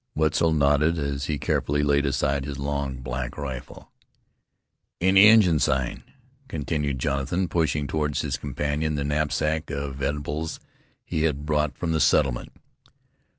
Wetzel nodded as he carefully laid aside his long, black rifle. "Any Injun sign?" continued Jonathan, pushing toward his companion the knapsack of eatables he had brought from the settlement.